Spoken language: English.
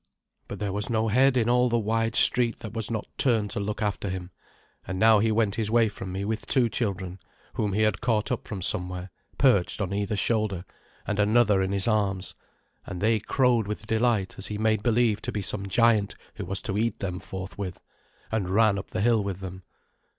But there was no head in all the wide street that was not turned to look after him; and now he went his way from me with two children, whom he had caught up from somewhere, perched on either shoulder, and another in his arms, and they crowed with delight as he made believe to be some giant who was to eat them forthwith, and ran up the hill with them.